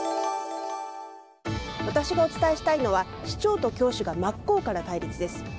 私がお伝えしたいのは市長と教師が真っ向から対立です。